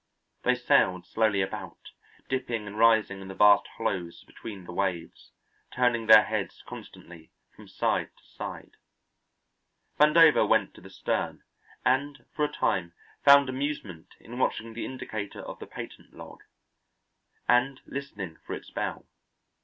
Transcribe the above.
They sailed slowly about, dipping and rising in the vast hollows between the waves, turning their heads constantly from side to side. Vandover went to the stern and for a time found amusement in watching the indicator of the patent log, and listening for its bell.